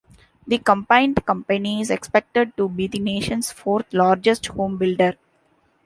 The combined company is expected to be the nation's fourth largest home builder.